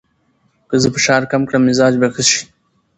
که زه فشار کم کړم، مزاج به ښه شي.